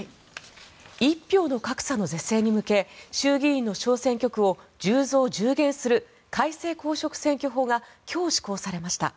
一票の格差の是正に向け衆議院の小選挙区を１０増１０減する改正公職選挙法が今日施行されました。